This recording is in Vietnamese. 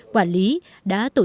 quản lý đều đạt được